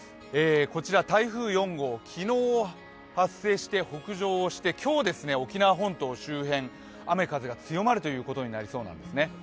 台風４号、昨日発生して北上して、今日、沖縄本島周辺、雨・風が強まるということになりそうなんですね。